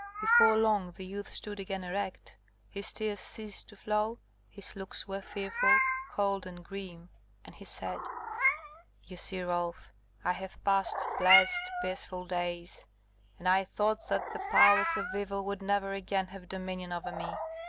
Before long the youth stood again erect, his tears ceased to flow, his looks were fearful, cold, and grim; and he said, "You see, Rolf, I have passed blessed peaceful days, and I thought that the powers of evil would never again have dominion over me.